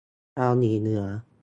เกาหลีเหนือ